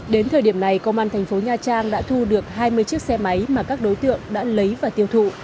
đến thời điểm này công an thành phố nha trang đã thu được hai mươi chiếc xe máy mà các đối tượng đã lấy và tiêu thụ